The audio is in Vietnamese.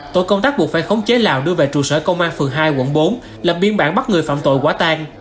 tổ công tác buộc phải khống chế lào đưa về trụ sở công an phường hai quận bốn lập biên bản bắt người phạm tội quá tan